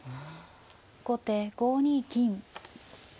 後手５二金。